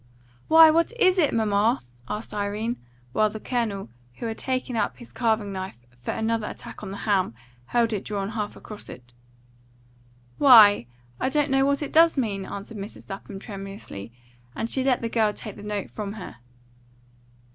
"Why, what IS it, mamma?" asked Irene, while the Colonel, who had taken up his carving knife for another attack on the ham, held it drawn half across it. "Why, I don't know what it does mean," answered Mrs. Lapham tremulously, and she let the girl take the note from her.